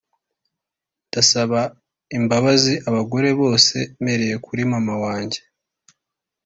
“Ndasaba imbabazi abagore bose mpereye kuri mama wanjye